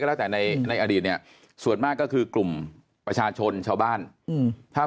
แล้วแต่ในในอดีตเนี่ยส่วนมากก็คือกลุ่มประชาชนชาวบ้านถ้า